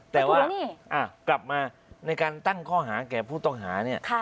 แต่ว่ากลับมาในการตั้งข้อหาแก่ผู้ต้องหาเนี่ย